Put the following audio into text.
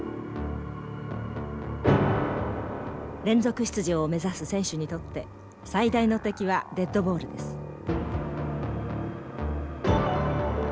連続出場を目指す選手にとって最大の敵はデッドボールです。